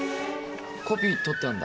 コピー取ってあるんだ。